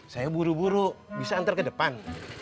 saya buru buru bisa antar ke depan